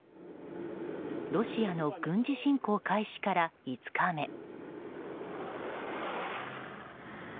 ロシアの軍事侵攻から５日目。